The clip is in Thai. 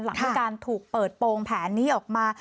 หลังมีการถูกเปิดโปรงแผนนี้ออกมา